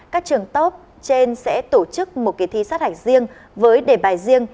cảnh sát hành riêng với đề bài riêng